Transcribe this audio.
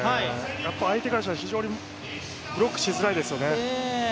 やっぱ相手からしたら非常にブロックしづらいですよね。